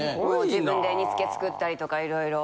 自分で煮付け作ったりとか色々。